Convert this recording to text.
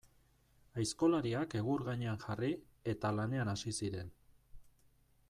Aizkolariak egur gainean jarri, eta lanean hasi ziren.